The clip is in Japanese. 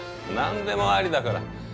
何でもありだから。